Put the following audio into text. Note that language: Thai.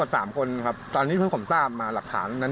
ก็มีทั้งหมด๓คนครับตอนนี้ผมตามมาหลักฐานนั้น